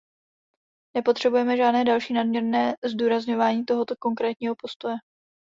Nepotřebujeme žádné další nadměrné zdůrazňování tohoto konkrétního postoje.